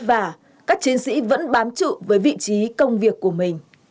dù vất vả các chiến sĩ vẫn bám trụ với vị trí công việc của mình